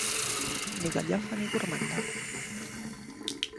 Ni gallofa ni gormanda.